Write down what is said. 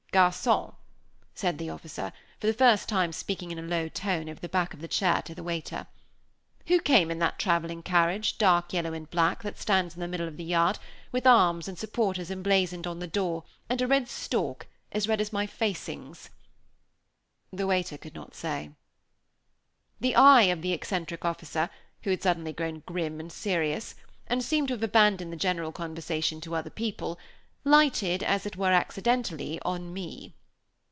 "Garçon," said the officer, for the first time speaking in a low tone over the back of his chair to the waiter; "who came in that traveling carriage, dark yellow and black, that stands in the middle of the yard, with arms and supporters emblazoned on the door, and a red stork, as red as my facings?" The waiter could not say. The eye of the eccentric officer, who had suddenly grown grim and serious, and seemed to have abandoned the general conversation to other people, lighted, as it were accidentally, on me.